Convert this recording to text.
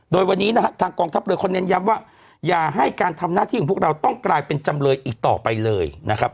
โดยวันนี้นะฮะทางกองทัพเรือเขาเน้นย้ำว่าอย่าให้การทำหน้าที่ของพวกเราต้องกลายเป็นจำเลยอีกต่อไปเลยนะครับ